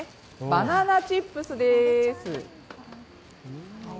バナナチップスです。